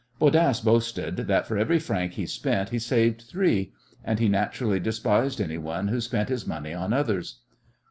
Bodasse boasted that for every franc he spent he saved three, and he naturally despised anyone who spent his money on others.